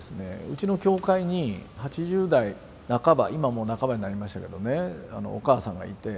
うちの教会に８０代半ば今もう半ばになりましたけどねお母さんがいて。